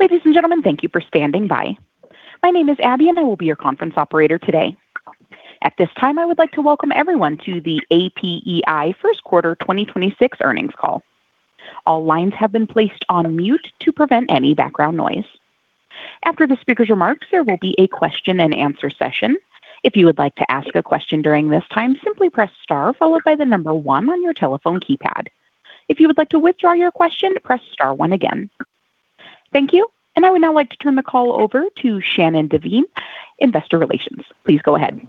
Ladies and gentlemen, thank you for standing by. My name is Abby, and I will be your conference operator today. At this time, I would like to welcome everyone to the APEI First Quarter 2026 Earnings Call. All lines have been placed on mute to prevent any background noise. After the speaker's remarks, there will be a question and answer session. If you would like to ask a question during this time, simply press star followed by the number one on your telephone keypad. If you would like to withdraw your question, press star one again. Thank you. I would now like to turn the call over to Shannon Devine, Investor Relations. Please go ahead.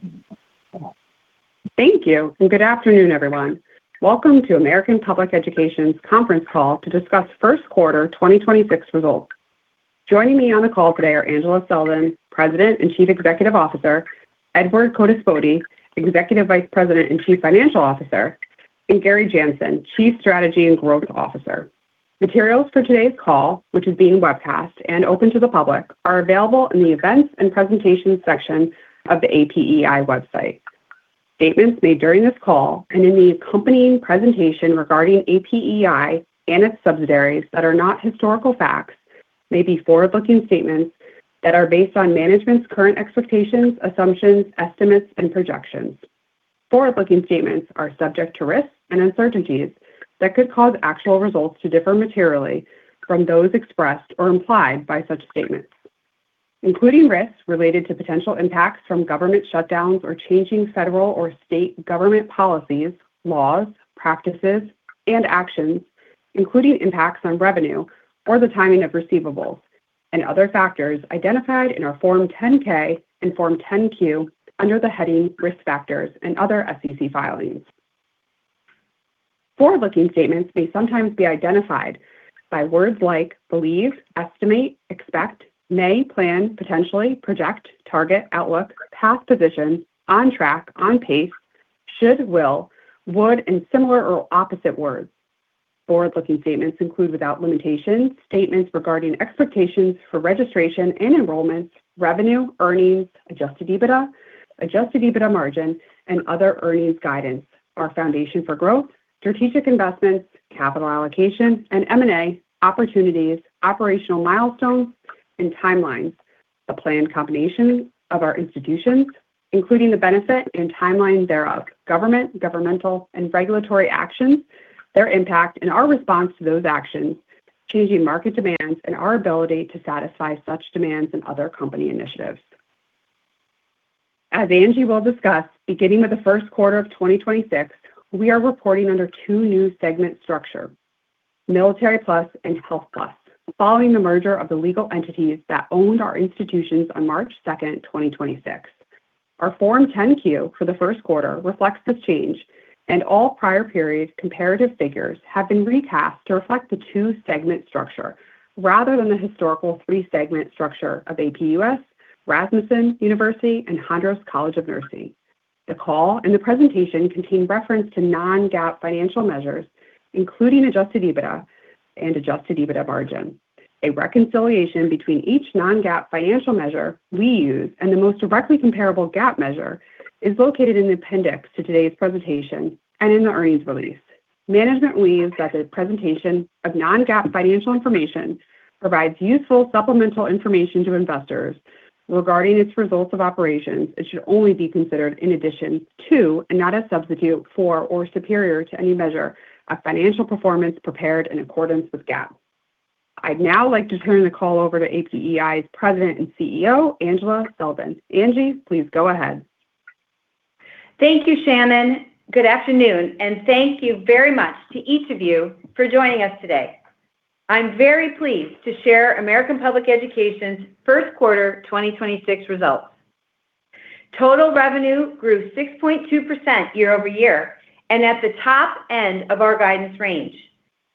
Thank you. Good afternoon, everyone. Welcome to American Public Education's conference call to discuss first quarter 2026 results. Joining me on the call today are Angela Selden, President and Chief Executive Officer, Edward Codispoti, Executive Vice President and Chief Financial Officer, and Gary Janson, Chief Strategy and Growth Officer. Materials for today's call, which is being webcast and open to the public, are available in the Events and Presentation section of the APEI website. Statements made during this call and in the accompanying presentation regarding APEI and its subsidiaries that are not historical facts may be forward-looking statements that are based on management's current expectations, assumptions, estimates, and projections. Forward-looking statements are subject to risks and uncertainties that could cause actual results to differ materially from those expressed or implied by such statements, including risks related to potential impacts from government shutdowns or changing federal or state government policies, laws, practices, and actions, including impacts on revenue or the timing of receivables and other factors identified in our Form 10-K and Form 10-Q under the heading Risk Factors and other SEC filings. Forward-looking statements may sometimes be identified by words like believe, estimate, expect, may, plan, potentially, project, target, outlook, path, position, on track, on pace, should, will, would, and similar or opposite words. Forward-looking statements include without limitation statements regarding expectations for registration and enrollments, revenue, earnings, Adjusted EBITDA, Adjusted EBITDA margin, and other earnings guidance. Our foundation for growth, strategic investments, capital allocation, and M&A opportunities, operational milestones and timelines, the planned combination of our institutions, including the benefit and timeline thereof, government, governmental, and regulatory actions, their impact and our response to those actions, changing market demands and our ability to satisfy such demands and other company initiatives. As Angela Selden will discuss, beginning with the first quarter of 2026, we are reporting under two new segment structure, Military+ and Health+, following the merger of the legal entities that owned our institutions on March 2nd, 2026. Our Form 10-Q for the first quarter reflects this change. All prior periods comparative figures have been recast to reflect the two segment structure rather than the historical three-segment structure of APUS, Rasmussen University, and Hondros College of Nursing. The call and the presentation contain reference to non-GAAP financial measures, including Adjusted EBITDA and Adjusted EBITDA margin. A reconciliation between each non-GAAP financial measure we use and the most directly comparable GAAP measure is located in the appendix to today's presentation and in the earnings release. Management believes that the presentation of non-GAAP financial information provides useful supplemental information to investors regarding its results of operations. It should only be considered in addition to, and not a substitute for or superior to any measure of financial performance prepared in accordance with GAAP. I'd now like to turn the call over to APEI's President and CEO, Angela Selden. Angie, please go ahead. Thank you, Shannon. Good afternoon. Thank you very much to each of you for joining us today. I'm very pleased to share American Public Education's first quarter 2026 results. Total revenue grew 6.2% YoY and at the top end of our guidance range.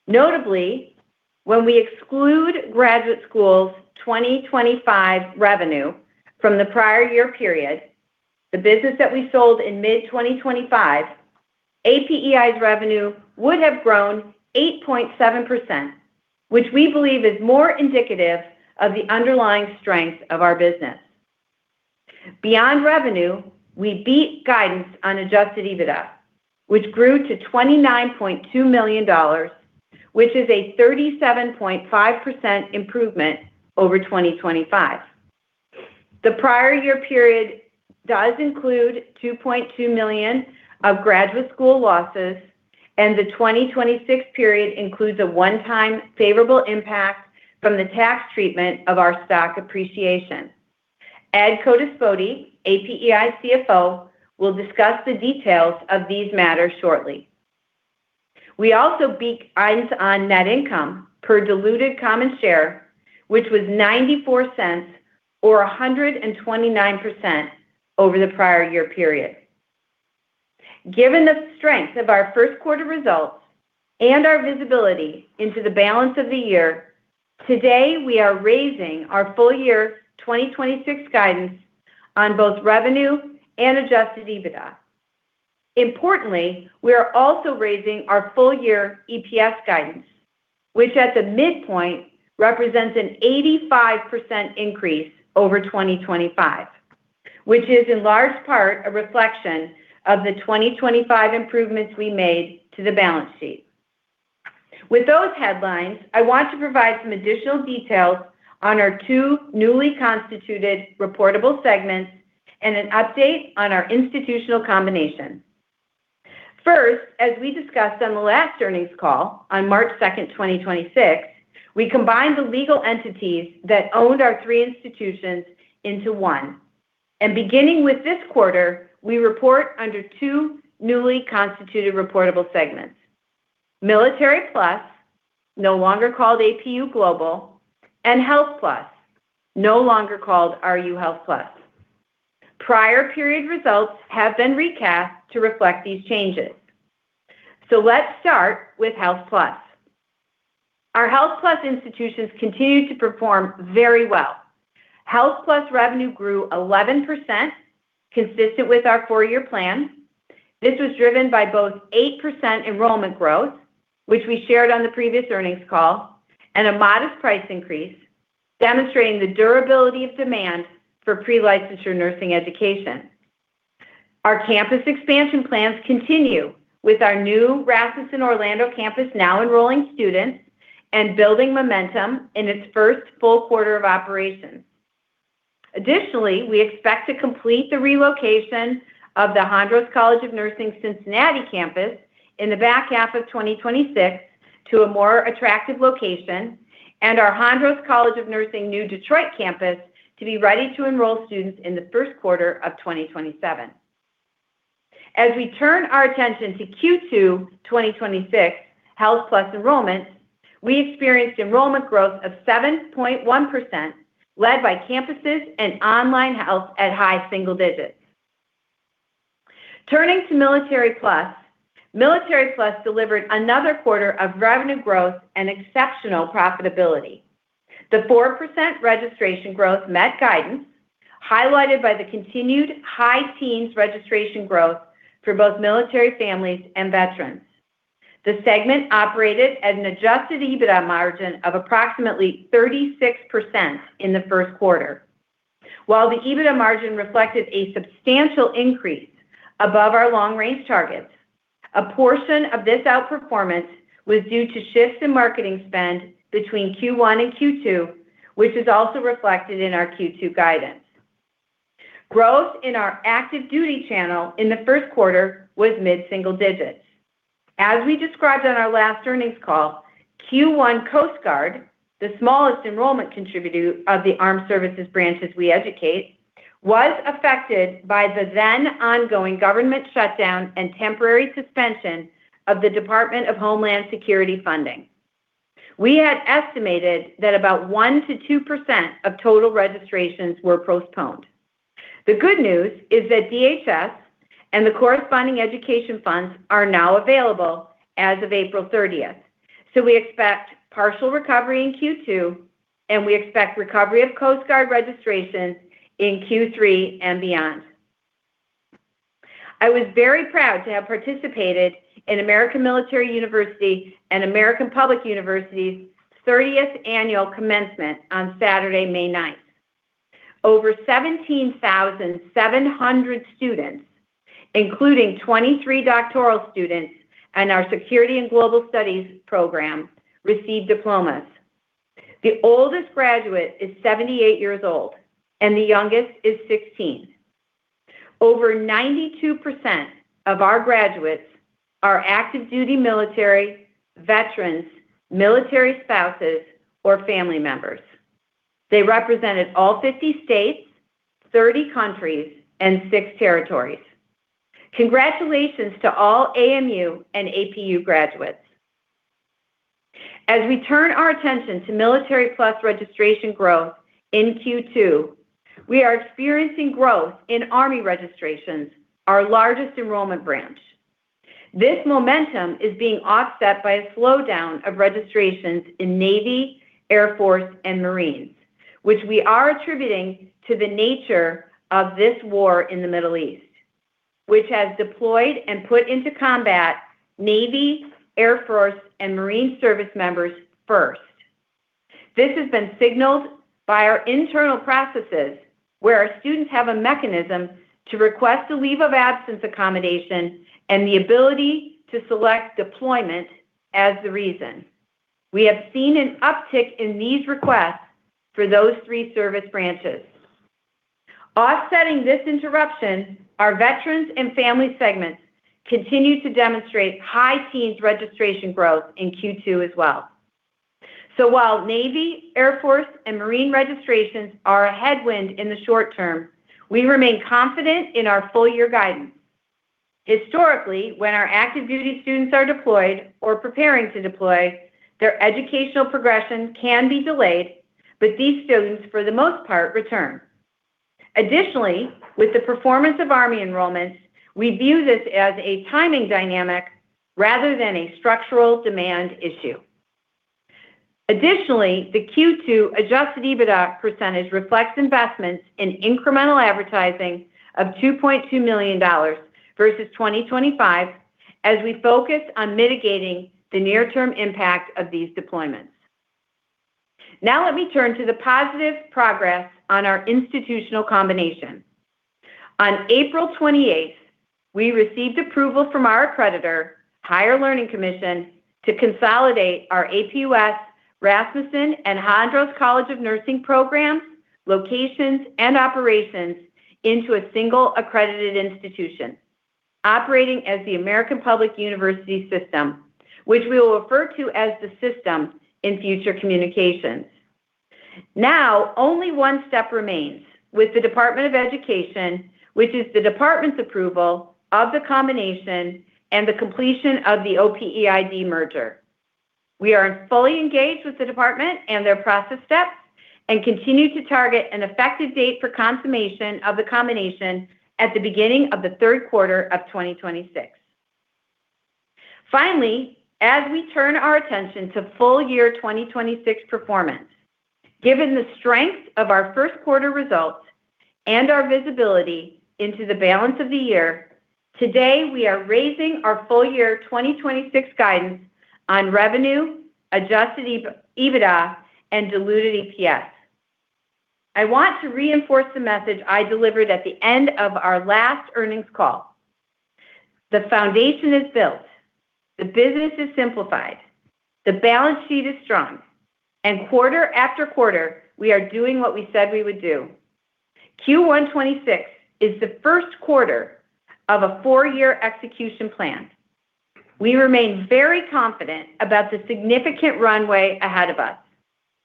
Notably, when we exclude Graduate School 2025 revenue from the prior year period, the business that we sold in mid-2025, APEI's revenue would have grown 8.7%, which we believe is more indicative of the underlying strength of our business. Beyond revenue, we beat guidance on Adjusted EBITDA, which grew to $29.2 million, which is a 37.5% improvement over 2025. The prior year period does include $2.2 million of Graduate School losses, and the 2026 period includes a one-time favorable impact from the tax treatment of our stock appreciation. Edward Codispoti, APEI CFO, will discuss the details of these matters shortly. We also beat items on net income per diluted common share, which was $0.94 or 129% over the prior year period. Given the strength of our first quarter results and our visibility into the balance of the year, today we are raising our full year 2026 guidance on both revenue and Adjusted EBITDA. Importantly, we are also raising our full year EPS guidance, which at the midpoint represents an 85% increase over 2025, which is in large part a reflection of the 2025 improvements we made to the balance sheet. With those headlines, I want to provide some additional details on our two newly constituted reportable segments and an update on our institutional combination. First, as we discussed on the last earnings call on March 2nd, 2026, we combined the legal entities that owned our three institutions into one. Beginning with this quarter, we report under two newly constituted reportable segments: Military+, no longer called APU Global, and Health+, no longer called RU Health+. Prior period results have been recast to reflect these changes. Let's start with Health+. Our Health+ institutions continue to perform very well. Health+ revenue grew 11%, consistent with our four-year plan. This was driven by both 8% enrollment growth, which we shared on the previous earnings call, and a modest price increase, demonstrating the durability of demand for pre-licensure nursing education. Our campus expansion plans continue with our new Rasmussen Orlando campus now enrolling students and building momentum in its first full quarter of operation. We expect to complete the relocation of the Hondros College of Nursing Cincinnati campus in the back half of 2026 to a more attractive location, and our Hondros College of Nursing new Detroit campus to be ready to enroll students in the first quarter of 2027. As we turn our attention to Q2 2026 Health+ enrollment, we experienced enrollment growth of 7.1%, led by campuses and online health at high single digits. Turning to Military+. Military+ delivered another quarter of revenue growth and exceptional profitability. The 4% registration growth met guidance, highlighted by the continued high teens registration growth for both military families and veterans. The segment operated at an Adjusted EBITDA margin of approximately 36% in the first quarter. While the EBITDA margin reflected a substantial increase above our long-range targets, a portion of this outperformance was due to shifts in marketing spend between Q1 and Q2, which is also reflected in our Q2 guidance. Growth in our active duty channel in the first quarter was mid-single digits. As we described on our last earnings call, Q1 Coast Guard, the smallest enrollment contributor of the armed services branches we educate, was affected by the then ongoing government shutdown and temporary suspension of the Department of Homeland Security funding. We had estimated that about 1%-2% of total registrations were postponed. The good news is that DHS and the corresponding education funds are now available as of April 30th. We expect partial recovery in Q2, and we expect recovery of Coast Guard registrations in Q3 and beyond. I was very proud to have participated in American Military University and American Public University's 30th annual commencement on Saturday, May 9th. Over 17,700 students, including 23 doctoral students in our Security and Global Studies program, received diplomas. The oldest graduate is 78 years old and the youngest is 16. Over 92% of our graduates are active duty military, veterans, military spouses, or family members. They represented all 50 states, 30 countries, and six territories. Congratulations to all AMU and APU graduates. As we turn our attention to Military+ registration growth in Q2, we are experiencing growth in Army registrations, our largest enrollment branch. This momentum is being offset by a slowdown of registrations in Navy, Air Force, and Marines, which we are attributing to the nature of this war in the Middle East, which has deployed and put into combat Navy, Air Force, and Marine service members first. This has been signaled by our internal processes, where our students have a mechanism to request a leave of absence accommodation and the ability to select deployment as the reason. We have seen an uptick in these requests for those three service branches. Offsetting this interruption, our veterans and family segments continue to demonstrate high teens registration growth in Q2 as well. While Navy, Air Force, and Marine registrations are a headwind in the short term, we remain confident in our full year guidance. Historically, when our active duty students are deployed or preparing to deploy, their educational progression can be delayed, but these students, for the most part, return. With the performance of Army enrollments, we view this as a timing dynamic rather than a structural demand issue. The Q2 Adjusted EBITDA percentage reflects investments in incremental advertising of $2.2 million versus 2025 as we focus on mitigating the near term impact of these deployments. Let me turn to the positive progress on our institutional combination. On April 28th, we received approval from our accreditor, Higher Learning Commission, to consolidate our APUS Rasmussen and Hondros College of Nursing programs, locations, and operations into a single accredited institution operating as the American Public University System, which we will refer to as the System in future communications. Now, only one step remains with the Department of Education, which is the department's approval of the combination and the completion of the OPEID merger. We are fully engaged with the department and their process steps and continue to target an effective date for confirmation of the combination at the beginning of the third quarter of 2026. Finally, as we turn our attention to full year 2026 performance, given the strength of our first quarter results and our visibility into the balance of the year, today we are raising our full year 2026 guidance on revenue, Adjusted EBITDA, and diluted EPS. I want to reinforce the message I delivered at the end of our last earnings call. The foundation is built, the business is simplified, the balance sheet is strong, and quarter after quarter, we are doing what we said we would do. Q1 2026 is the first quarter of a four-year execution plan. We remain very confident about the significant runway ahead of us.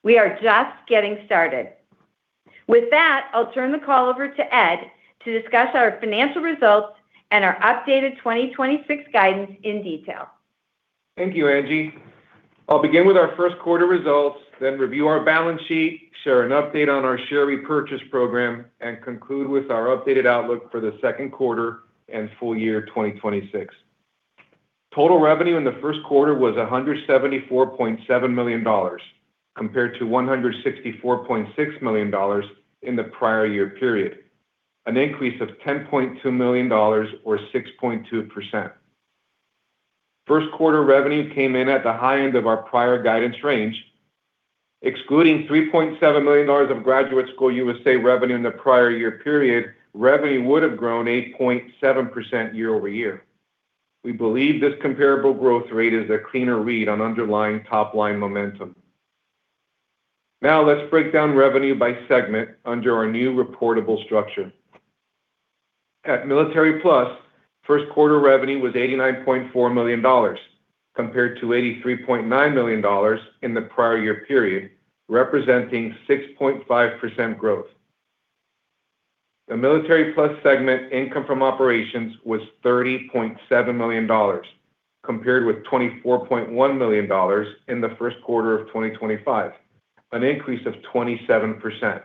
We are just getting started. With that, I'll turn the call over to Ed to discuss our financial results and our updated 2026 guidance in detail. Thank you, Angie. I'll begin with our Q1 results, review our balance sheet, share an update on our share repurchase program, and conclude with our updated outlook for the Q2 and full year 2026. Total revenue in the Q1 was $174.7 million, compared to $164.6 million in the prior year period, an increase of $10.2 million or 6.2%. Q1 revenue came in at the high end of our prior guidance range. Excluding $3.7 million of Graduate School USA revenue in the prior year period, revenue would have grown 8.7% YoY. We believe this comparable growth rate is a cleaner read on underlying top-line momentum. Let's break down revenue by segment under our new reportable structure. At Military+, first quarter revenue was $89.4 million, compared to $83.9 million in the prior year period, representing 6.5% growth. The Military+ segment income from operations was $30.7 million, compared with $24.1 million in the first quarter of 2025, an increase of 27%.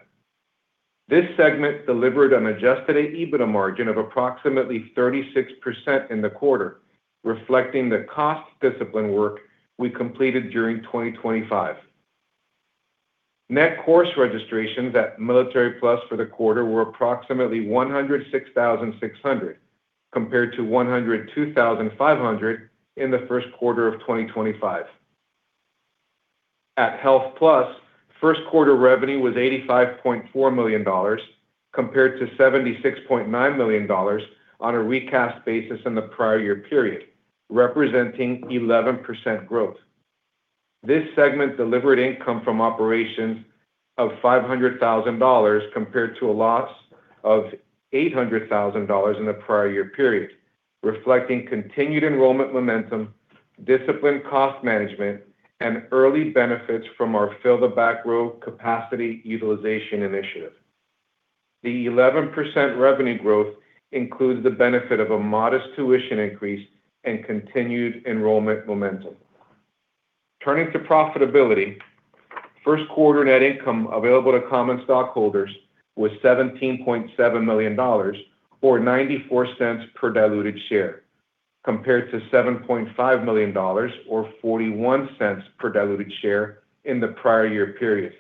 This segment delivered an Adjusted EBITDA margin of approximately 36% in the quarter, reflecting the cost discipline work we completed during 2025. Net course registrations at Military+ for the quarter were approximately 106,600, compared to 102,500 in the first quarter of 2025. At Health+, first quarter revenue was $85.4 million, compared to $76.9 million on a recast basis in the prior year period, representing 11% growth. This segment delivered income from operations of $500,000 compared to a loss of $800,000 in the prior year period, reflecting continued enrollment momentum, disciplined cost management, and early benefits from our Fill the Back Row capacity utilization initiative. The 11% revenue growth includes the benefit of a modest tuition increase and continued enrollment momentum. Turning to profitability, first quarter net income available to common stockholders was $17.7 million or $0.94 per diluted share, compared to $7.5 million or $0.41 per diluted share in the prior year period.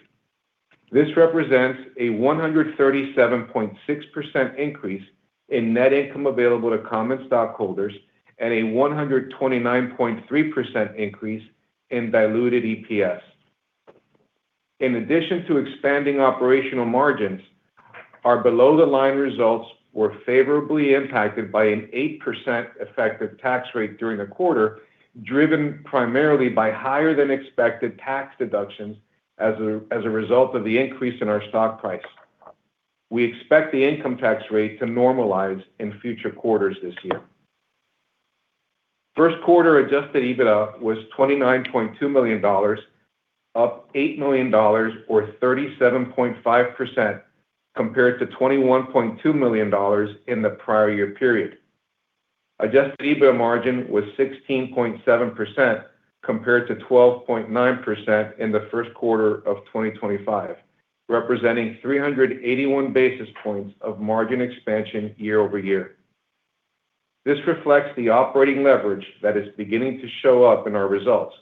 This represents a 137.6% increase in net income available to common stockholders and a 129.3% increase in diluted EPS. In addition to expanding operational margins, our below-the-line results were favorably impacted by an 8% effective tax rate during the quarter, driven primarily by higher than expected tax deductions as a result of the increase in our stock price. We expect the income tax rate to normalize in future quarters this year. First quarter Adjusted EBITDA was $29.2 million, up $8 million or 37.5%, compared to $21.2 million in the prior year period. Adjusted EBITDA margin was 16.7%, compared to 12.9% in the first quarter of 2025, representing 381 basis points of margin expansion YoY. This reflects the operating leverage that is beginning to show up in our results.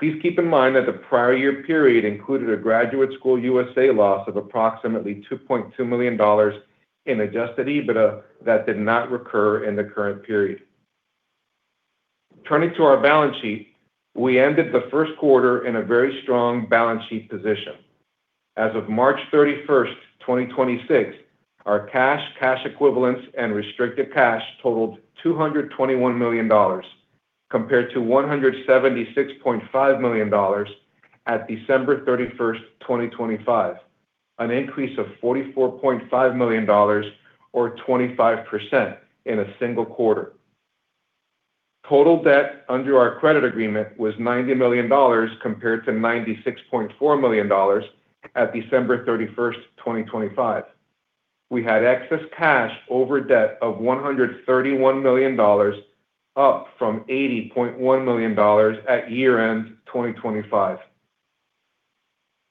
Please keep in mind that the prior year period included a Graduate School USA loss of approximately $2.2 million in Adjusted EBITDA that did not recur in the current period. We ended the first quarter in a very strong balance sheet position. As of March 31st, 2026, our cash equivalents, and restricted cash totaled $221 million compared to $176.5 million at December 31st, 2025, an increase of $44.5 million or 25% in a single quarter. Total debt under our credit agreement was $90 million compared to $96.4 million at December 31st, 2025. We had excess cash over debt of $131 million, up from $80.1 million at year-end 2025.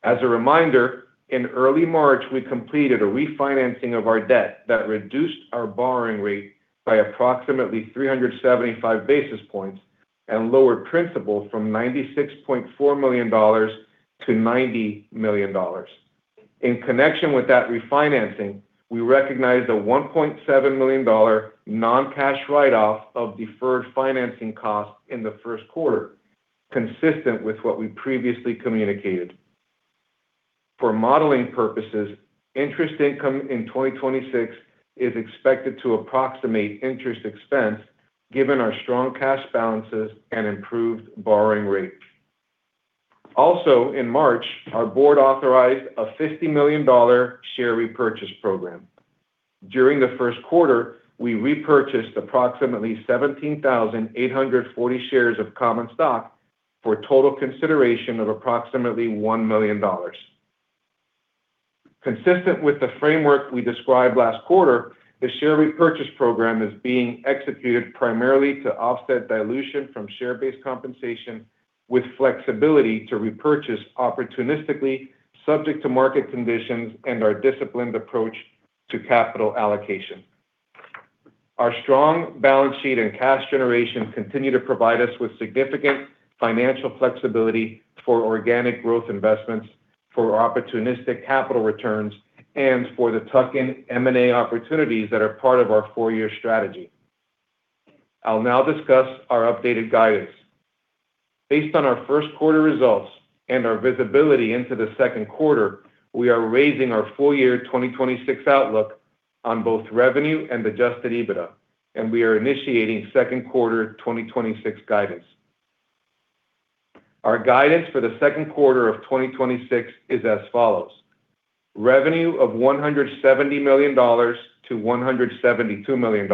As a reminder, in early March, we completed a refinancing of our debt that reduced our borrowing rate by approximately 375 basis points and lowered principal from $96.4 million-$90 million. In connection with that refinancing, we recognized a $1.7 million non-cash write-off of deferred financing costs in the first quarter, consistent with what we previously communicated. For modeling purposes, interest income in 2026 is expected to approximate interest expense given our strong cash balances and improved borrowing rates. In March, our board authorized a $50 million share repurchase program. During the first quarter, we repurchased approximately 17,840 shares of common stock for total consideration of approximately $1 million. Consistent with the framework we described last quarter, the share repurchase program is being executed primarily to offset dilution from share-based compensation with flexibility to repurchase opportunistically, subject to market conditions and our disciplined approach to capital allocation. Our strong balance sheet and cash generation continue to provide us with significant financial flexibility for organic growth investments, for opportunistic capital returns, and for the tuck-in M&A opportunities that are part of our four-year strategy. I'll now discuss our updated guidance. Based on our first quarter results and our visibility into the second quarter, we are raising our full year 2026 outlook on both revenue and Adjusted EBITDA, and we are initiating second quarter 2026 guidance. Our guidance for the second quarter of 2026 is as follows. Revenue of $170 million-$172 million,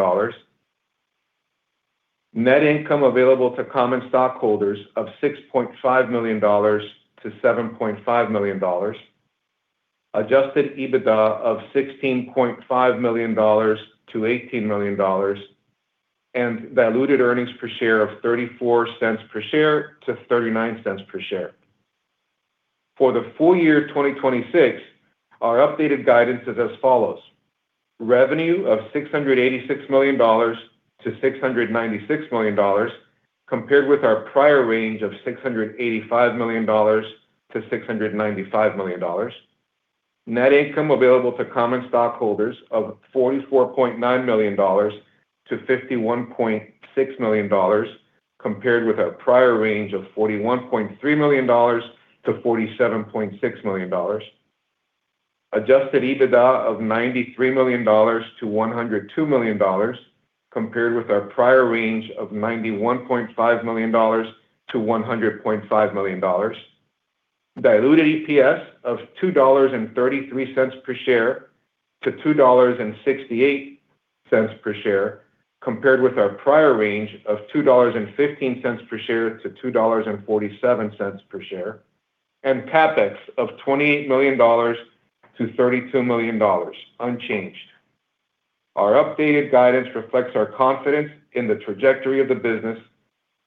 net income available to common stockholders of $6.5 million-$7.5 million, Adjusted EBITDA of $16.5 million-$18 million, and diluted earnings per share of $0.34-$0.39 per share. For the full year 2026, our updated guidance is as follows. Revenue of $686 million-$696 million, compared with our prior range of $685 million-$695 million. Net income available to common stockholders of $44.9 million-$51.6 million, compared with our prior range of $41.3 million-$47.6 million. Adjusted EBITDA of $93 million-$102 million, compared with our prior range of $91.5 million-$100.5 million. Diluted EPS of $2.33 per share to $2.68 per share, compared with our prior range of $2.15 per share to $2.47 per share, and CapEx of $28 million-$32 million, unchanged. Our updated guidance reflects our confidence in the trajectory of the business,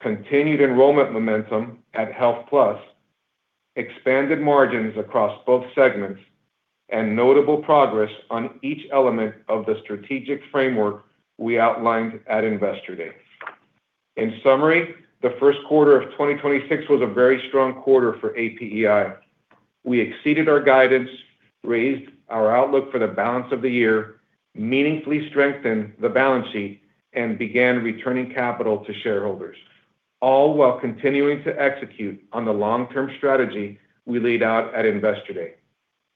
continued enrollment momentum at Health+, expanded margins across both segments, and notable progress on each element of the strategic framework we outlined at Investor Day. In summary, the first quarter of 2026 was a very strong quarter for APEI. We exceeded our guidance, raised our outlook for the balance of the year, meaningfully strengthened the balance sheet, and began returning capital to shareholders, all while continuing to execute on the long-term strategy we laid out at Investor Day.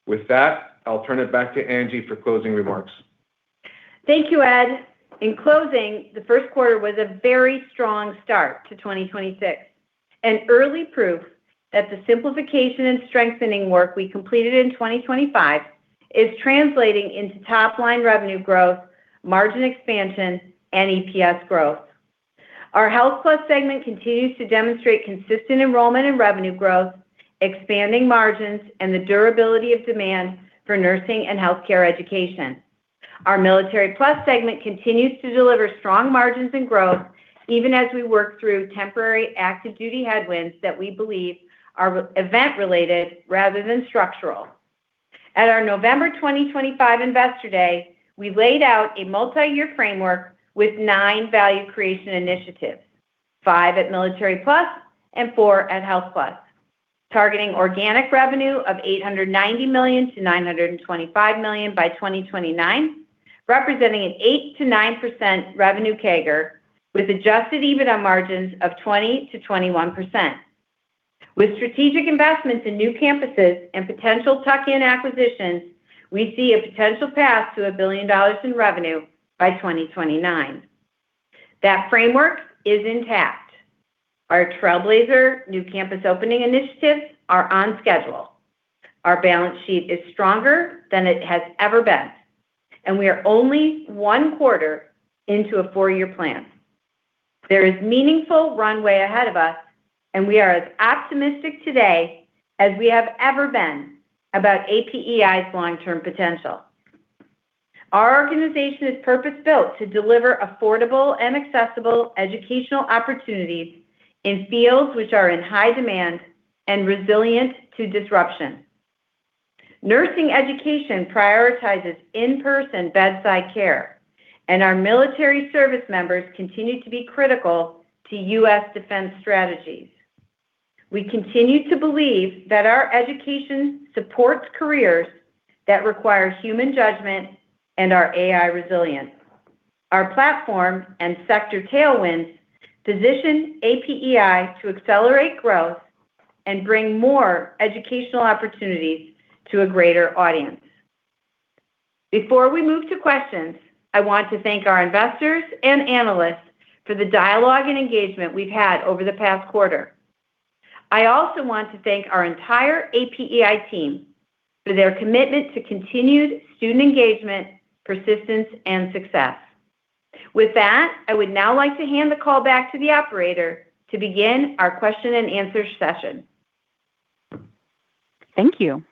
With that, I'll turn it back to Angie for closing remarks. Thank you, Ed. In closing, the first quarter was a very strong start to 2026. An early proof that the simplification and strengthening work we completed in 2025 is translating into top-line revenue growth, margin expansion, and EPS growth. Our Health+ segment continues to demonstrate consistent enrollment and revenue growth, expanding margins, and the durability of demand for nursing and healthcare education. Our Military+ segment continues to deliver strong margins and growth even as we work through temporary active duty headwinds that we believe are event-related rather than structural. At our November 2025 Investor Day, we laid out a multi-year framework with nine value creation initiatives, five at Military+ and four at Health+. Targeting organic revenue of $890 million-$925 million by 2029, representing an 8%-9% revenue CAGR with Adjusted EBITDA margins of 20%-21%. With strategic investments in new campuses and potential tuck-in acquisitions, we see a potential path to $1 billion in revenue by 2029. That framework is intact. Our trailblazer new campus opening initiatives are on schedule. Our balance sheet is stronger than it has ever been, and we are only one quarter into a four-year plan. There is meaningful runway ahead of us, and we are as optimistic today as we have ever been about APEI's long-term potential. Our organization is purpose-built to deliver affordable and accessible educational opportunities in fields which are in high demand and resilient to disruption. Nursing education prioritizes in-person bedside care, and our military service members continue to be critical to U.S. defense strategies. We continue to believe that our education supports careers that require human judgment and are AI resilient. Our platform and sector tailwinds position APEI to accelerate growth and bring more educational opportunities to a greater audience. Before we move to questions, I want to thank our investors and analysts for the dialogue and engagement we've had over the past quarter. I also want to thank our entire APEI team for their commitment to continued student engagement, persistence, and success. With that, I would now like to hand the call back to the operator to begin our question-and-answer session. Thank you.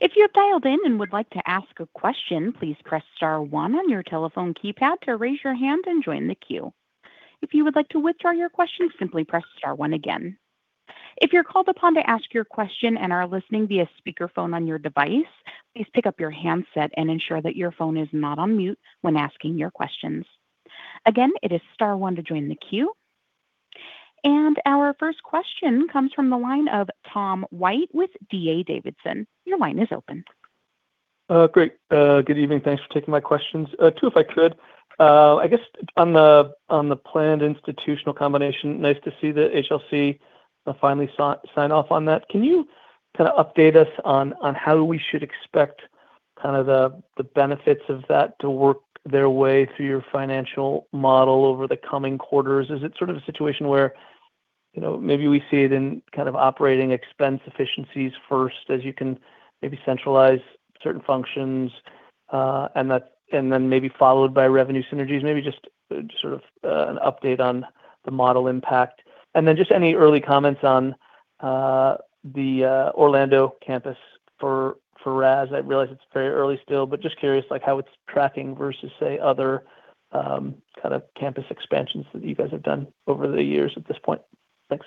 If you've dialed in and would like to ask a question please press star one on your telephone keypad to raise your hand and join the queue. If you would like to withdraw your question, simply press star one again. If you are called upon to ask your question and are listening via speakerphone on your device, please pick up your handset and ensure that your phone is not on mute. Again, it is star one to join the queue. And our first question comes from the line of Tom White with D.A. Davidson. Your line is open. Great. Good evening. Thanks for taking my questions. Two, if I could. I guess on the planned institutional combination, nice to see the HLC finally sign off on that. Can you kind of update us on how we should expect kind of the benefits of that to work their way through your financial model over the coming quarters? Is it sort of a situation where, you know, maybe we see it in kind of operating expense efficiencies first as you can maybe centralize certain functions, and then maybe followed by revenue synergies? Maybe just sort of an update on the model impact. Then just any early comments on the Orlando campus for Raz. I realize it's very early still, but just curious, like, how it's tracking versus, say, other, kind of campus expansions that you guys have done over the years at this point. Thanks.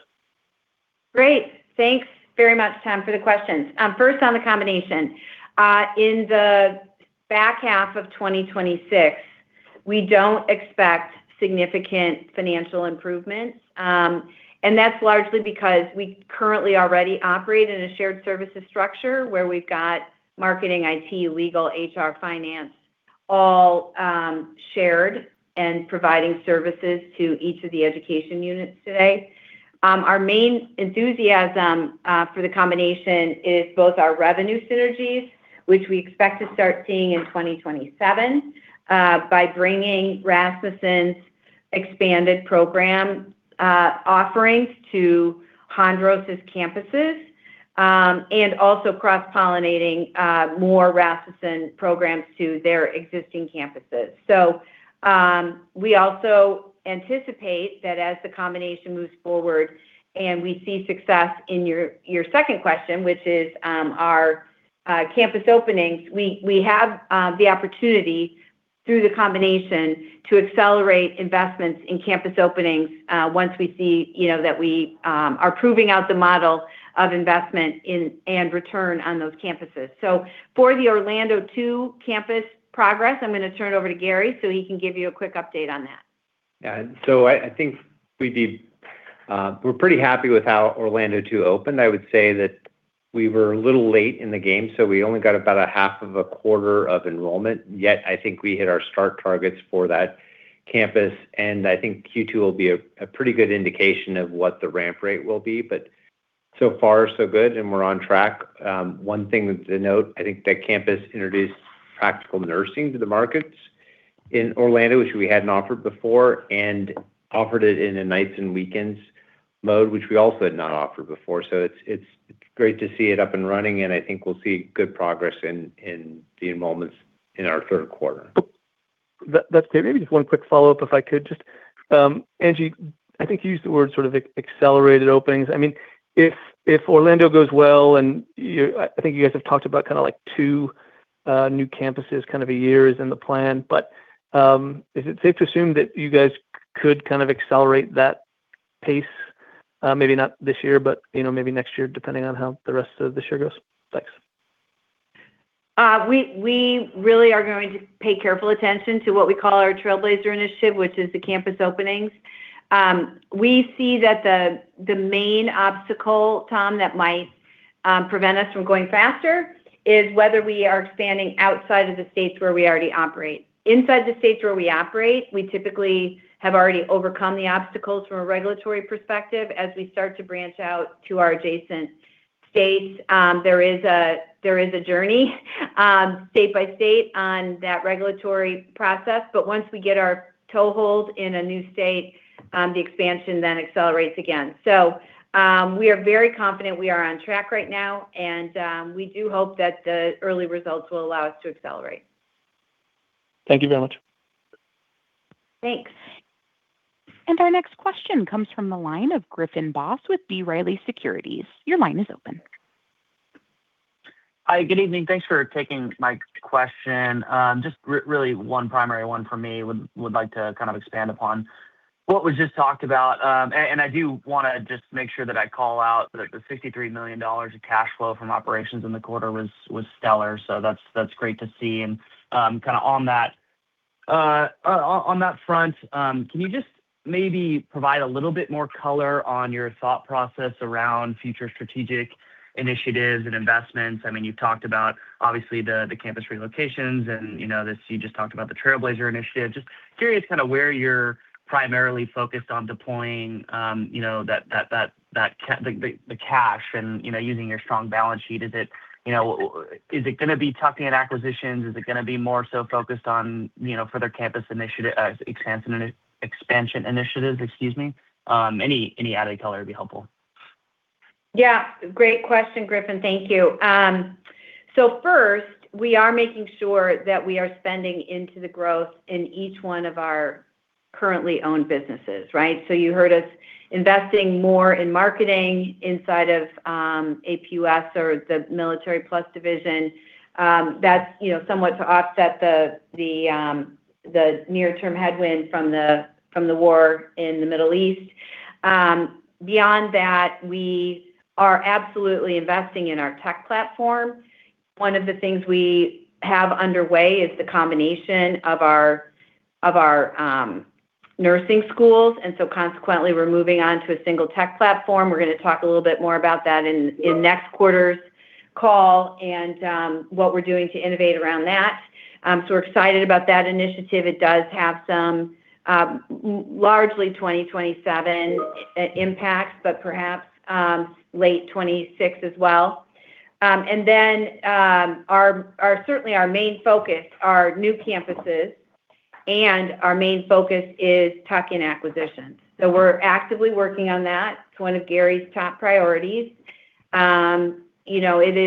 Great. Thanks very much, Tom, for the questions. First on the combination. In the back half of 2026, we don't expect significant financial improvements. That's largely because we currently already operate in a shared services structure where we've got marketing, IT, legal, HR, finance, all shared and providing services to each of the education units today. Our main enthusiasm for the combination is both our revenue synergies, which we expect to start seeing in 2027, by bringing Rasmussen's expanded program offerings to Hondros' campuses, and also cross-pollinating more Rasmussen programs to their existing campuses. We also anticipate that as the combination moves forward and we see success in your second question, which is, our campus openings. We have the opportunity through the combination to accelerate investments in campus openings, once we see, you know, that we are proving out the model of investment in and return on those campuses. For the Orlando 2 campus progress, I'm gonna turn it over to Gary so he can give you a quick update on that. Yeah. I think we're pretty happy with how Orlando 2 opened. I would say that we were a little late in the game, so we only got about a half of a quarter of enrollment, yet I think we hit our start targets for that campus. I think Q2 will be a pretty good indication of what the ramp rate will be. So far so good, and we're on track. One thing to note, I think that campus introduced practical nursing to the markets in Orlando, which we hadn't offered before, and offered it in a nights-and-weekends mode, which we also had not offered before. It's great to see it up and running, and I think we'll see good progress in the enrollments in our third quarter. That's great. Maybe just one quick follow-up if I could. Just Angie, I think you used the word sort of accelerated openings. I mean, if Orlando goes well, and I think you guys have talked about kind of like two, new campuses kind of a year is in the plan. Is it safe to assume that you guys could kind of accelerate that pace, maybe not this year, but, you know, maybe next year, depending on how the rest of this year goes? Thanks. We really are going to pay careful attention to what we call our trailblazer initiative, which is the campus openings. We see that the main obstacle, Tom, that might prevent us from going faster is whether we are expanding outside of the states where we already operate. Inside the states where we operate, we typically have already overcome the obstacles from a regulatory perspective. As we start to branch out to our adjacent states, there is a journey, state by state on that regulatory process. Once we get our toehold in a new state, the expansion then accelerates again. We are very confident we are on track right now, and we do hope that the early results will allow us to accelerate. Thank you very much. Thanks. Our next question comes from the line of Griffin Boss with B. Riley Securities. Your line is open. Hi, good evening. Thanks for taking my question. Just really one primary one for me. Would like to kind of expand upon what was just talked about. I do wanna just make sure that I call out the $63 million of cash flow from operations in the quarter was stellar. That's great to see. Kind of on that front, can you just maybe provide a little bit more color on your thought process around future strategic initiatives and investments? I mean, you've talked about obviously the campus relocations and, you know, you just talked about the Trailblazer initiative. Just curious kind of where you're primarily focused on deploying, you know, the cash and, you know, using your strong balance sheet. Is it, you know, is it gonna be tucking in acquisitions? Is it gonna be more so focused on, you know, further campus initiative expansion initiatives? Excuse me. Any added color would be helpful. Yeah, great question, Griffin. Thank you. First, we are making sure that we are spending into the growth in each one of our currently owned businesses, right? You heard us investing more in marketing inside of APUS or the Military+ division. That's, you know, somewhat to offset the near-term headwind from the war in the Middle East. Beyond that, we are absolutely investing in our tech platform. One of the things we have underway is the combination of our nursing schools, consequently we're moving on to a single tech platform. We're going to talk a little bit more about that in next quarter's call, what we're doing to innovate around that. We're excited about that initiative. It does have some, largely 2027 impact, but perhaps late 2026 as well. Certainly our main focus are new campuses, and our main focus is tuck-in acquisitions. We're actively working on that. It's one of Gary's top priorities. You know, it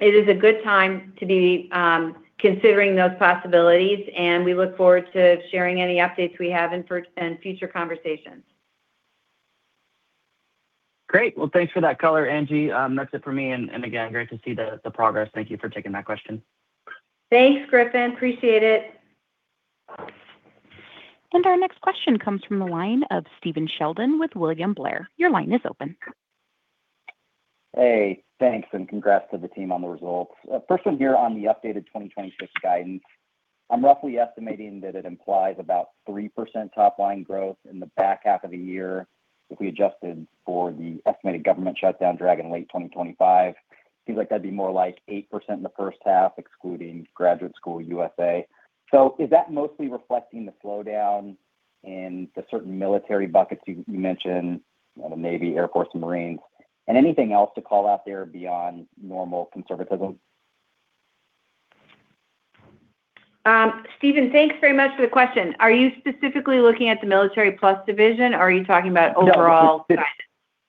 is a good time to be considering those possibilities, and we look forward to sharing any updates we have in future conversations. Great. Well, thanks for that color, Angie. That's it for me. Again, great to see the progress. Thank you for taking that question. Thanks, Griffin. Appreciate it. Our next question comes from the line of Stephen Sheldon with William Blair. Your line is open. Hey, thanks, congrats to the team on the results. First one here on the updated 2026 guidance. I'm roughly estimating that it implies about 3% top-line growth in the back half of the year if we adjusted for the estimated government shutdown drag in late 2025. Seems like that'd be more like 8% in the first half, excluding Graduate School USA. Is that mostly reflecting the slowdown in the certain military buckets you mentioned, the Navy, Air Force and Marines, and anything else to call out there beyond normal conservatism? Stephen, thanks very much for the question. Are you specifically looking at the Military+ division or are you talking about overall guidance?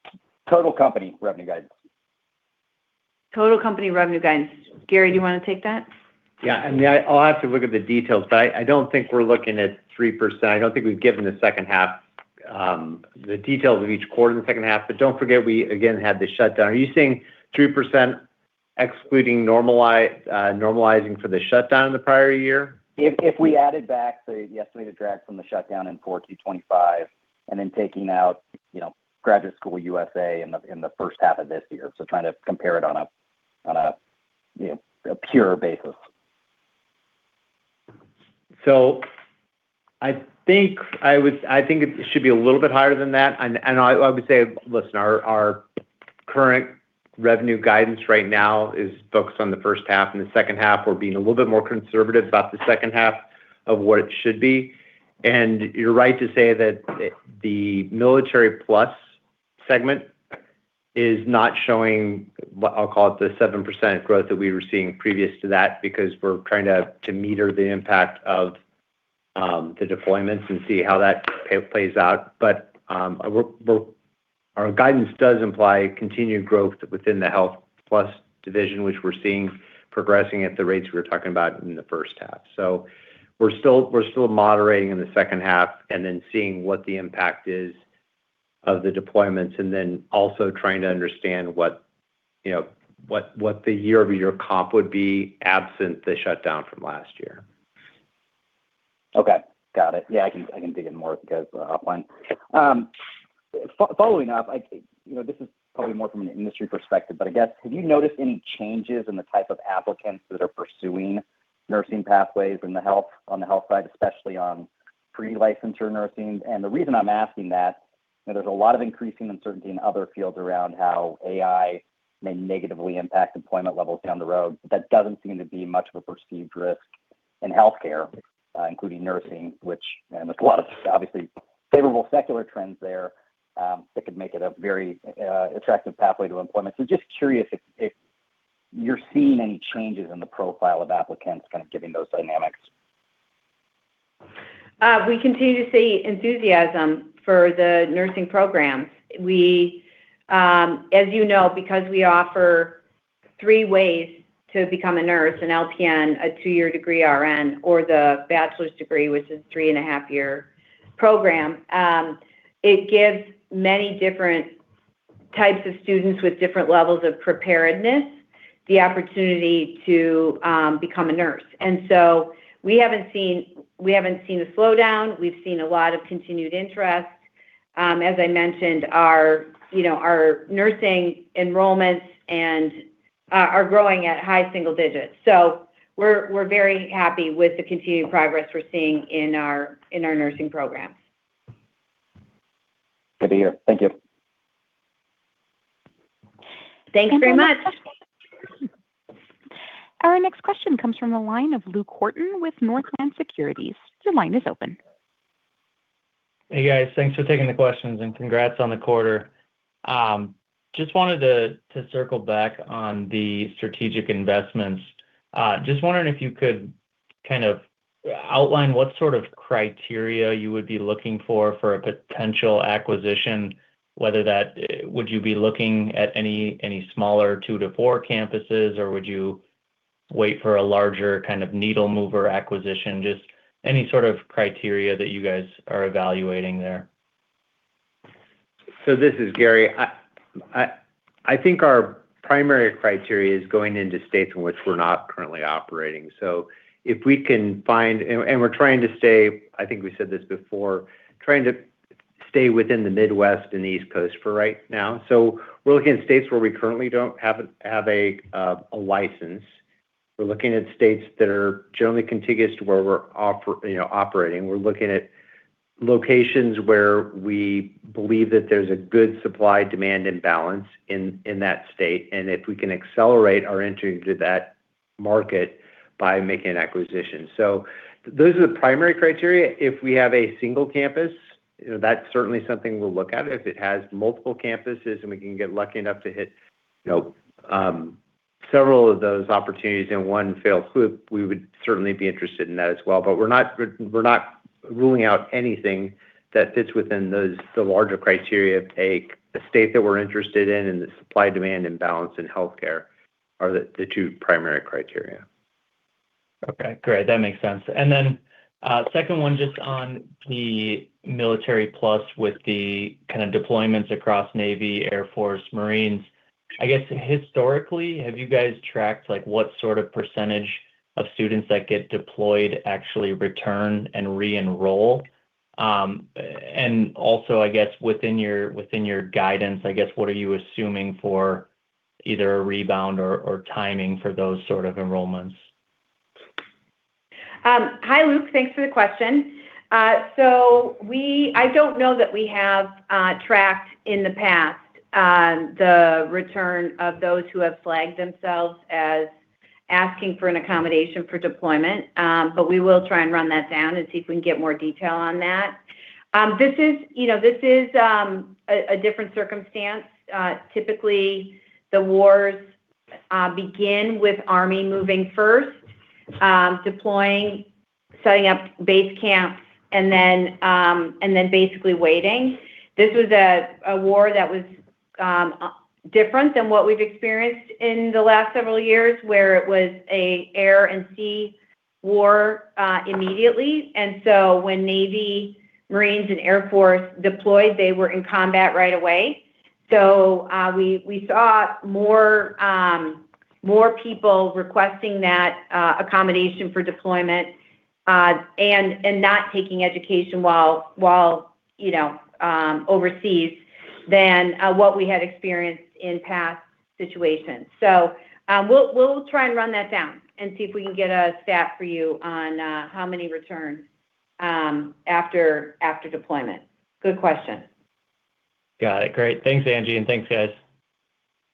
No, just total company revenue guidance. Total company revenue guidance. Gary, do you wanna take that? Yeah. I mean, I'll have to look at the details, but I don't think we're looking at 3%. I don't think we've given the second half the details of each quarter in the second half. Don't forget, we again had the shutdown. Are you seeing 3% excluding normalizing for the shutdown in the prior year? If we added back the estimated drag from the shutdown in February 4th 2025 and then taking out, you know, Graduate School USA in the first half of this year, so trying to compare it on a, you know, a pure basis. I think it should be a little bit higher than that. I would say, listen, our current revenue guidance right now is focused on the first half and the second half. We're being a little bit more conservative about the second half of what it should be. You're right to say that the Military+ segment is not showing what I'll call it the 7% growth that we were seeing previous to that, because we're trying to meter the impact of the deployments and see how that plays out. Our guidance does imply continued growth within the Health+ division, which we're seeing progressing at the rates we were talking about in the first half. We're still moderating in the second half and then seeing what the impact is of the deployments and then also trying to understand what, you know, what the YoY comp would be absent the shutdown from last year. Okay. Got it. Yeah, I can, I can dig in more because offline. Following up, I, you know, this is probably more from an industry perspective, but I guess have you noticed any changes in the type of applicants that are pursuing nursing pathways in the Health+, on the health side, especially on pre-licensure nursing? The reason I'm asking that, you know, there's a lot of increasing uncertainty in other fields around how AI may negatively impact employment levels down the road. That doesn't seem to be much of a perceived risk in healthcare, including nursing, which, and with a lot of obviously favorable secular trends there, that could make it a very attractive pathway to employment. Just curious if you're seeing any changes in the profile of applicants kind of given those dynamics. We continue to see enthusiasm for the nursing programs. We, as you know, because we offer three ways to become a nurse, an LPN, a two-year degree RN, or the bachelor's degree, which is 3.5-year program, it gives many different types of students with different levels of preparedness the opportunity to become a nurse. We haven't seen a slowdown. We've seen a lot of continued interest. As I mentioned, our, you know, our nursing enrollments are growing at high single digits. We're very happy with the continued progress we're seeing in our nursing programs. Good to hear. Thank you. Thanks very much. our next question- Our next question comes from the line of Luke Horton with Northland Securities. Your line is open. Hey, guys. Thanks for taking the questions, and congrats on the quarter. Just wanted to circle back on the strategic investments. Just wondering if you could kind of outline what sort of criteria you would be looking for for a potential acquisition, whether that would you be looking at any smaller two to four campuses, or would you wait for a larger kind of needle mover acquisition? Just any sort of criteria that you guys are evaluating there. This is Gary. I think our primary criteria is going into states in which we're not currently operating. If we can find And we're trying to stay, I think we said this before, trying to stay within the Midwest and the East Coast for right now. We're looking at states where we currently don't have a license. We're looking at states that are generally contiguous to where we're you know, operating. We're looking at locations where we believe that there's a good supply-demand imbalance in that state, and if we can accelerate our entry into that market by making an acquisition. Those are the primary criteria. If we have a single campus, you know, that's certainly something we'll look at. If it has multiple campuses and we can get lucky enough to hit, you know, several of those opportunities and one fails too, we would certainly be interested in that as well. We're not ruling out anything that fits within those, the larger criteria of, A, the state that we're interested in and the supply-demand imbalance in healthcare are the two primary criteria. Okay. Great. That makes sense. Second one just on the Military+ with the kind of deployments across Navy, Air Force, Marines. I guess historically, have you guys tracked, like, what sort of percentage of students that get deployed actually return and re-enroll? And also I guess within your, within your guidance, I guess, what are you assuming for either a rebound or timing for those sort of enrollments? Hi, Luke. Thanks for the question. I don't know that we have tracked in the past the return of those who have flagged themselves as asking for an accommodation for deployment. We will try and run that down and see if we can get more detail on that. This is, you know, this is a different circumstance. Typically the wars begin with Army moving first, deploying, setting up base camps, and then basically waiting. This was a war that was different than what we've experienced in the last several years, where it was a air and sea war immediately. When Navy, Marines, and Air Force deployed, they were in combat right away. We saw more people requesting that accommodation for deployment, and not taking education while, you know, overseas than what we had experienced in past situations. We'll try and run that down and see if we can get a stat for you on how many return after deployment. Good question. Got it. Great. Thanks, Angie, and thanks, guys.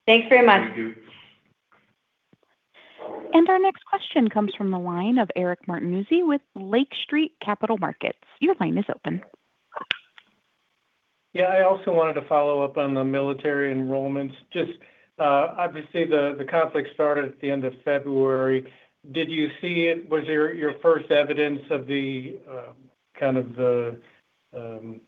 Thanks very much. Thank you. Our next question comes from the line of Eric Martinuzzi with Lake Street Capital Markets. Your line is open. Yeah, I also wanted to follow up on the military enrollments. Just, obviously the conflict started at the end of February. Was your first evidence of the kind of the, you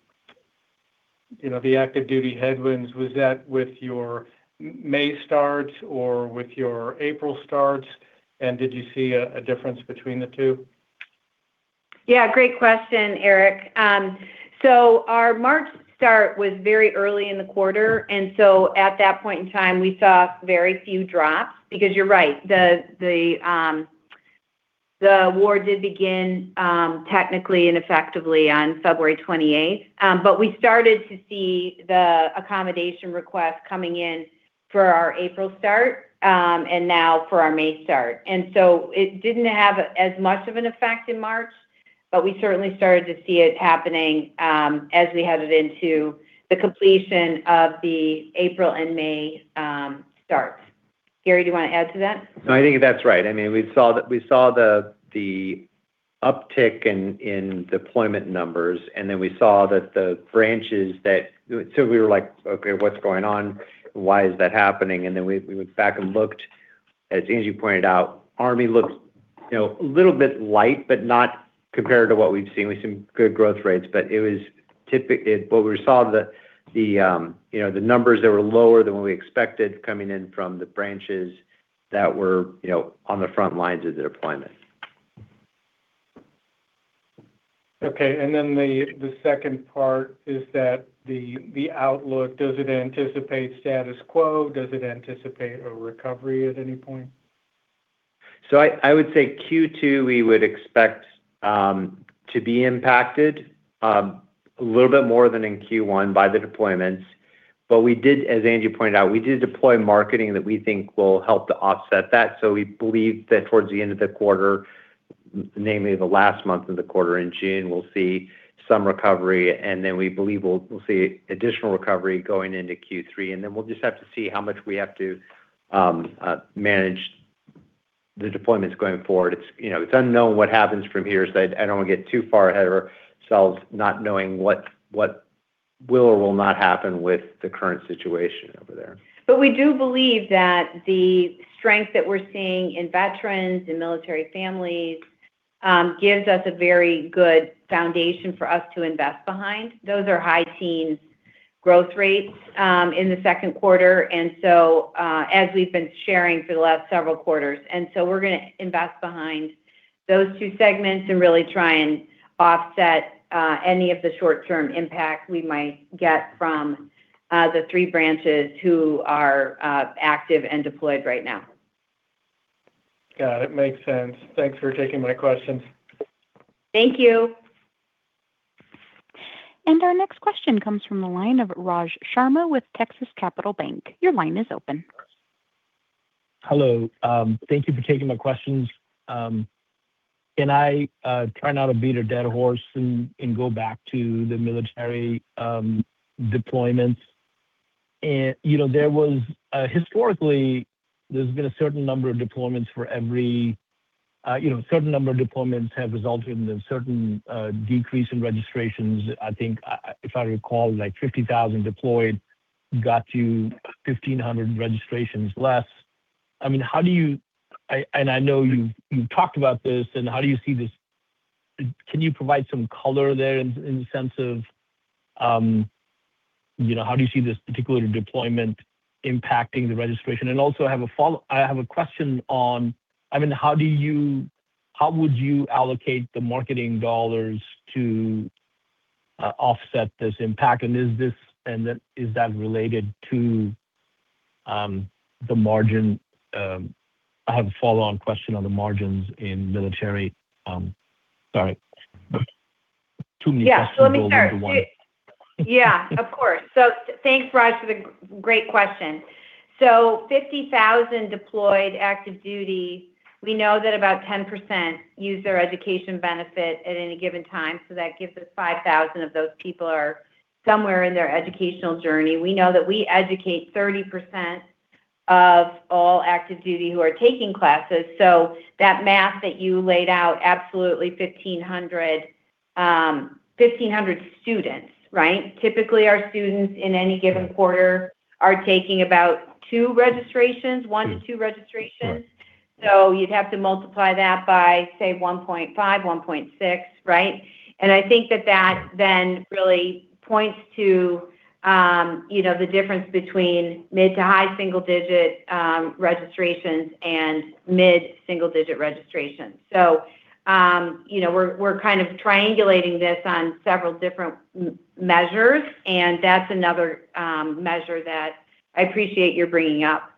know, the active duty headwinds, was that with your May starts or with your April starts, and did you see a difference between the two? Yeah, great question, Eric. Our March start was very early in the quarter, and so at that point in time, we saw very few drops because you're right, the war did begin technically and effectively on February 28th. We started to see the accommodation request coming in for our April start and now for our May start. It didn't have as much of an effect in March, but we certainly started to see it happening as we headed into the completion of the April and May starts. Gary, do you want to add to that? No, I think that's right. I mean, we saw the uptick in deployment numbers. We saw that the branches. We were like, "Okay, what's going on? Why is that happening?" We went back and looked. As Angie pointed out, Army looks, you know, a little bit light, but not compared to what we've seen. We've seen good growth rates. We saw the, you know, the numbers that were lower than what we expected coming in from the branches that were, you know, on the front lines of the deployment. Okay. The second part is that the outlook, does it anticipate status quo? Does it anticipate a recovery at any point? I would say Q2 we would expect to be impacted a little bit more than in Q1 by the deployments. We did, as Angie pointed out, we did deploy marketing that we think will help to offset that. We believe that towards the end of the quarter, namely the last month of the quarter in June, we'll see some recovery, and then we believe we'll see additional recovery going into Q3, and then we'll just have to see how much we have to manage the deployments going forward. It's, you know, it's unknown what happens from here, I don't want to get too far ahead of ourselves not knowing what will or will not happen with the current situation over there. We do believe that the strength that we're seeing in veterans and military families gives us a very good foundation for us to invest behind. Those are high teens growth rates in the second quarter, as we've been sharing for the last several quarters. We're gonna invest behind those two segments and really try and offset any of the short-term impact we might get from the three branches who are active and deployed right now. Got it. Makes sense. Thanks for taking my questions. Thank you. Our next question comes from the line of Raj Sharma with Texas Capital Bank. Your line is open. Hello. Thank you for taking my questions. Can I try not to beat a dead horse and go back to the military deployments? You know, historically, there's been a certain number of deployments for every, you know, a certain number of deployments have resulted in the certain decrease in registrations. I think, if I recall, like, 50,000 deployed got you 1,500 registrations less. I mean, how do you, and I know you've talked about this, and how do you see this? Can you provide some color there in the sense of, you know, how do you see this particular deployment impacting the registration? Also, I have a question on, I mean, how would you allocate the marketing dollars to offset this impact? Is that related to the margin? I have a follow-on question on the margins in Military+. Sorry. Too many questions rolled into one. Let me start. Of course. Thanks, Raj, for the great question. 50,000 deployed active duty, we know that about 10% use their education benefit at any given time, so that gives us 5,000 of those people are somewhere in their educational journey. We know that we educate 30% of all active duty who are taking classes. That math that you laid out, absolutely 1,500, 1,500 students, right? Typically, our students in any given quarter are taking about two registrations, one to two registrations. Right. You'd have to multiply that by, say, 1.5, 1.6, right? I think that that then really points to, you know, the difference between mid to high single-digit registrations and mid single-digit registrations. You know, we're kind of triangulating this on several different measures, and that's another measure that I appreciate your bringing up.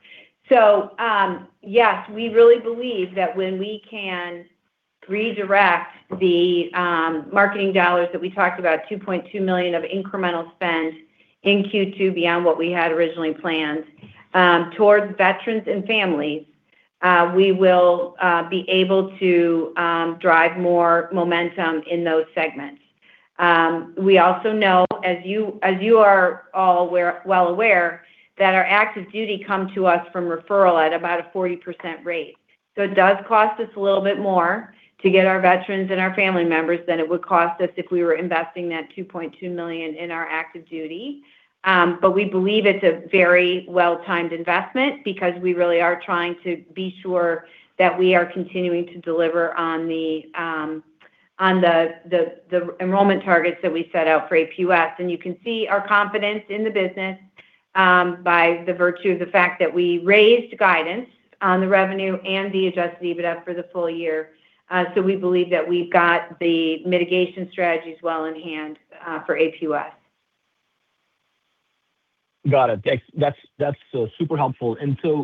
Yes, we really believe that when we can redirect the marketing dollars that we talked about, $2.2 million of incremental spend in Q2 beyond what we had originally planned, towards veterans and families, we will be able to drive more momentum in those segments. We also know, as you are all aware, well aware, that our active duty come to us from referral at about a 40% rate. It does cost us a little bit more to get our veterans and our family members than it would cost us if we were investing that $2.2 million in our active duty. But we believe it's a very well-timed investment because we really are trying to be sure that we are continuing to deliver on the enrollment targets that we set out for APUS. You can see our confidence in the business by the virtue of the fact that we raised guidance on the revenue and the Adjusted EBITDA for the full year. We believe that we've got the mitigation strategies well in hand for APUS. Got it. Thanks. That's super helpful.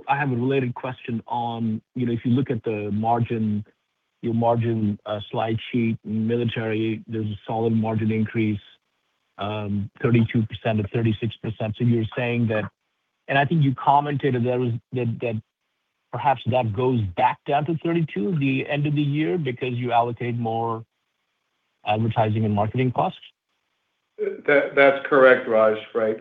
I have a related question on, you know, if you look at the margin, your margin slide sheet Military+, there's a solid margin increase, 32%-36%. You're saying that I think you commented there was that perhaps that goes back down to 32 the end of the year because you allocate more advertising and marketing costs. That's correct, Raj. Right.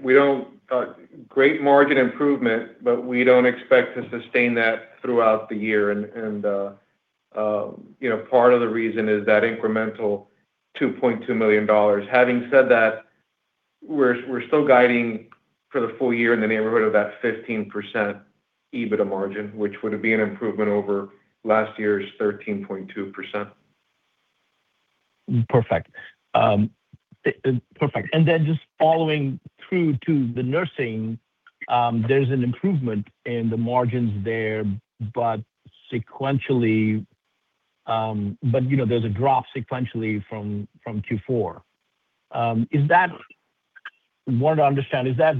Great margin improvement, but we don't expect to sustain that throughout the year. you know, part of the reason is that incremental $2.2 million. Having said that, we're still guiding for the full year in the neighborhood of that 15% EBITDA margin, which would be an improvement over last year's 13.2%. Perfect. Perfect. Just following through to the nursing, there's an improvement in the margins there, but sequentially, you know, there's a drop sequentially from Q4. Wanted to understand, is that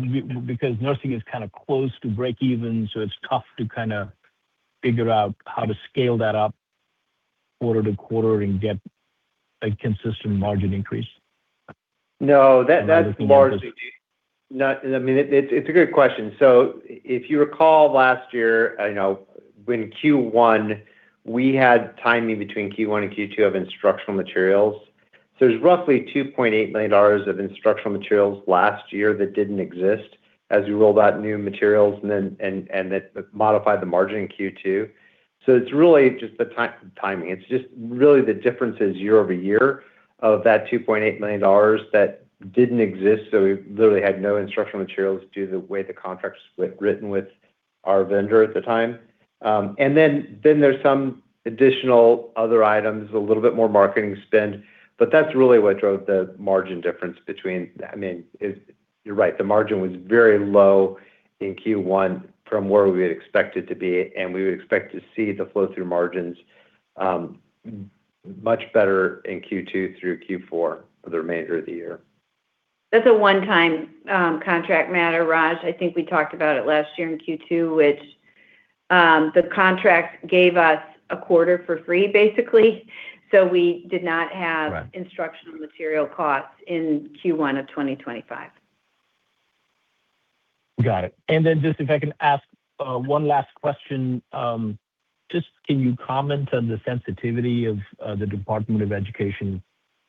because nursing is kind of close to breakeven, so it's tough to kind of figure out how to scale that up quarter to quarter and get a consistent margin increase? No, that's. Or other things that- No. I mean, it's a good question. If you recall last year, you know, when Q1, we had timing between Q1 and Q2 of instructional materials. There's roughly $2.8 million of instructional materials last year that didn't exist as we rolled out new materials and that modified the margin in Q2. It's really just the timing. It's just really the differences YoY of that $2.8 million that didn't exist, so we literally had no instructional materials due to the way the contract was written with our vendor at the time. Then there's some additional other items, a little bit more marketing spend, but that's really what drove the margin difference between I mean, you're right, the margin was very low in Q1 from where we had expected to be, and we would expect to see the flow through margins, much better in Q2 through Q4 for the remainder of the year. That's a one-time, contract matter, Raj. I think we talked about it last year in Q2, which, the contract gave us a quarter for free, basically. We did not have. Right instructional material costs in Q1 of 2025. Got it. Just if I can ask one last question. Just can you comment on the sensitivity of the Department of Education,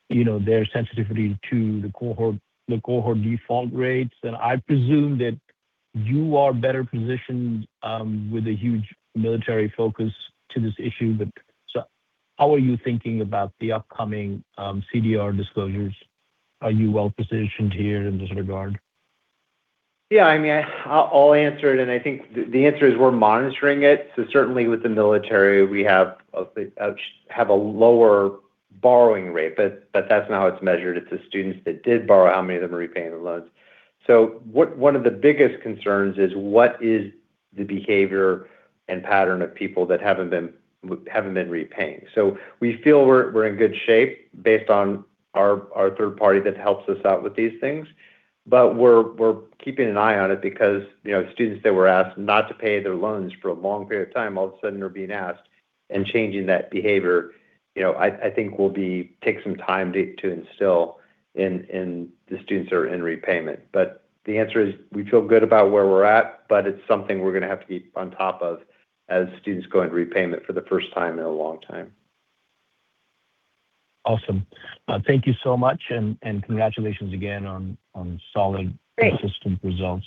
you know, their sensitivity to the cohort default rates? I presume that you are better positioned with a huge military focus to this issue, but so how are you thinking about the upcoming CDR disclosures? Are you well-positioned here in this regard? I mean, I'll answer it. I think the answer is we're monitoring it. Certainly with the military, we have a lower borrowing rate, but that's not how it's measured. It's the students that did borrow, how many of them are repaying the loans. One of the biggest concerns is what is the behavior and pattern of people that haven't been repaying. We feel we're in good shape based on our third party that helps us out with these things. We're keeping an eye on it because, you know, students that were asked not to pay their loans for a long period of time, all of a sudden are being asked and changing that behavior, you know, I think will take some time to instill in the students that are in repayment. The answer is we feel good about where we're at, but it's something we're gonna have to be on top of as students go into repayment for the first time in a long time. Awesome. Thank you so much, and congratulations again on Great consistent results.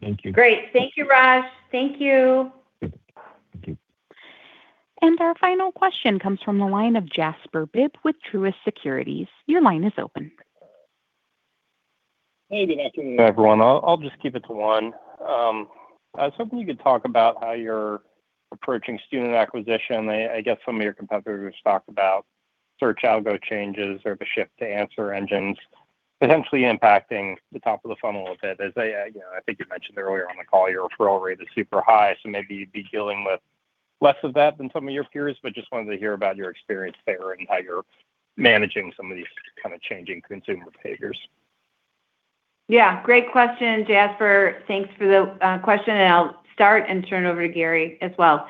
Thank you. Great. Thank you, Raj. Thank you. Thank you. Our final question comes from the line of Jasper Bibb with Truist Securities. Your line is open. Good afternoon. Hi, everyone. I'll just keep it to one. I was hoping you could talk about how you're approaching student acquisition. I guess some of your competitors talked about search algo changes or the shift to answer engines potentially impacting the top of the funnel a bit. As I, you know, I think you mentioned earlier on the call, your referral rate is super high, so maybe you'd be dealing with less of that than some of your peers, but just wanted to hear about your experience there and how you're managing some of these kind of changing consumer behaviors. Yeah. Great question, Jasper. Thanks for the question, and I'll start and turn over to Gary as well.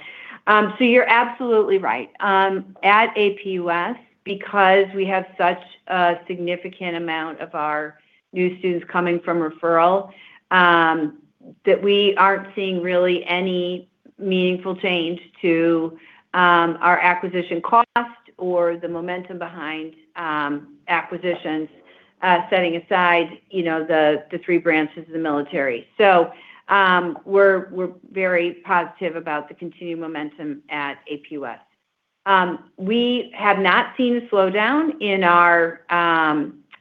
You're absolutely right. At APUS, because we have such a significant amount of our new students coming from referral, that we aren't seeing really any meaningful change to our acquisition cost or the momentum behind acquisitions, setting aside, you know, the three branches of the military. We're very positive about the continued momentum at APUS. We have not seen a slowdown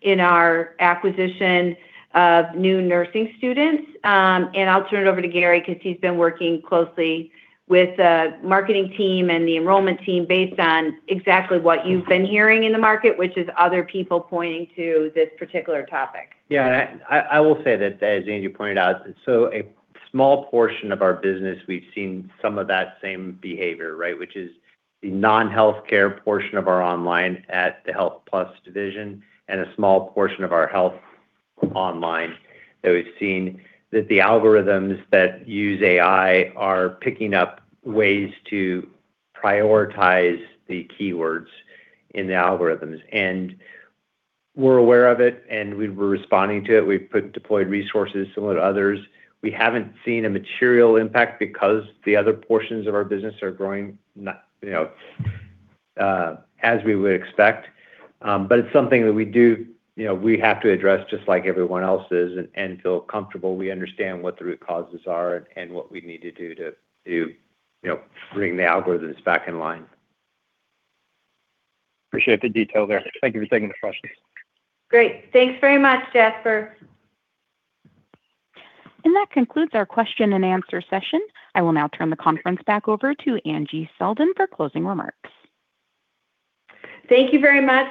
in our acquisition of new nursing students. I'll turn it over to Gary because he's been working closely with the marketing team and the enrollment team based on exactly what you've been hearing in the market, which is other people pointing to this particular topic. Yeah. I will say that, as Angie pointed out, a small portion of our business, we've seen some of that same behavior, right? Which is the non-healthcare portion of our online at the Health+ division and a small portion of our health online that we've seen that the algorithms that use AI are picking up ways to prioritize the keywords in the algorithms. We're aware of it, and we're responding to it. We've put deployed resources similar to others. We haven't seen a material impact because the other portions of our business are growing, not, you know, as we would expect. It's something that we do, you know, we have to address just like everyone else is and feel comfortable we understand what the root causes are and what we need to do to, you know, bring the algorithms back in line. Appreciate the detail there. Thank you for taking the questions. Great. Thanks very much, Jasper. That concludes our question and answer session. I will now turn the conference back over to Angie for closing remarks. Thank you very much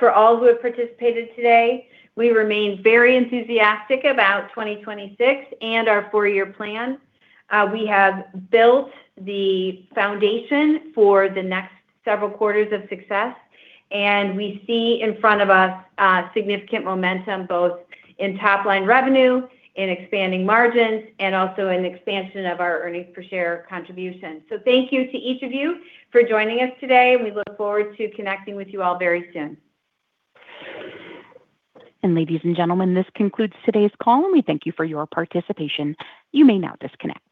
for all who have participated today. We remain very enthusiastic about 2026 and our four-year plan. We have built the foundation for the next several quarters of success, and we see in front of us significant momentum both in top-line revenue and expanding margins and also an expansion of our EPS contribution. Thank you to each of you for joining us today, and we look forward to connecting with you all very soon. Ladies and gentlemen, this concludes today's call, and we thank you for your participation. You may now disconnect.